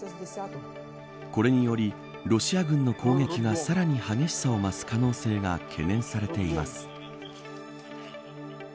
これによりロシア軍の攻撃がさらに激しさを増す可能性が懸念されています。